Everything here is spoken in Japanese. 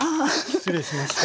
失礼しました。